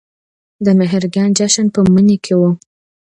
د مهرګان جشن په مني کې و